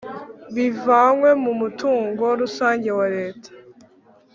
bivanywe mu mutungo rusange wa Leta